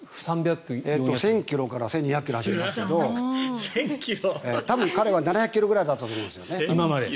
１０００ｋｍから２０００ｋｍ走りますけど彼は今までは７００ｋｍだったと思うんです。